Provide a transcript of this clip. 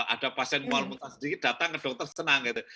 ada pasien mual muntah sedikit datang ke dokter senang gitu